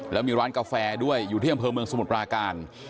แล้วมีร้านกาแฟด้วยอยู่ที่อำเภอเมืองสมุทรปราการ